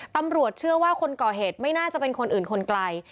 ตำรวจเชื่อว่าคนก่อเหตุไม่น่าจะเป็นคนอื่นคนไกล